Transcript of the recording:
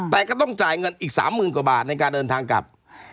แต่ก็ต้องจ่ายเงินอีก๓๐๐๐กว่าบาทในการเดินทางกลับ